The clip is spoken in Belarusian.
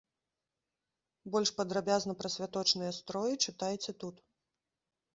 Больш падрабязна пра святочныя строі чытайце тут.